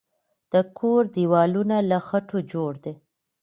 د کور دیوالونه له خټو جوړ دی.